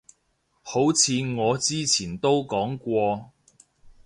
好似我之前都講過